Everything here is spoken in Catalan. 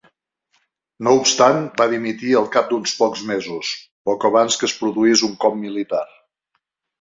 No obstant, va dimitir al cap d'uns pocs mesos, poc abans que es produís un cop militar.